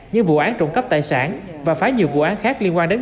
như vụ án trộm cắp tài sản và phá nhiều vụ án khác liên quan đến